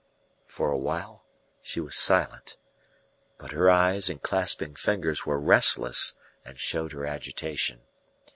For a while she was silent, but her eyes and clasping fingers were restless and showed her agitation.